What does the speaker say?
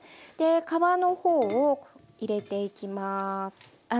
皮の方を入れていきます。